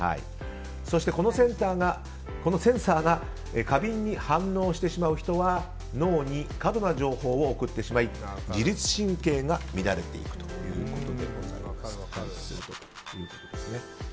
そして、このセンサーが過敏に反応してしまう人は脳に過度な情報を送ってしまい自律神経が乱れていくということでございます。